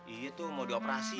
iya tuh mau dioperasi